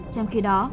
trong khi đó